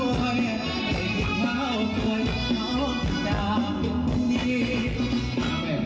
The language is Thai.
ไม่ได้กินเผาตัวอยากเผาสุดยาวคนดี